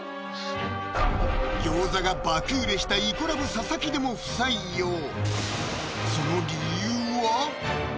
餃子が爆売れした「イコラブ」・佐々木でも不採用その理由は？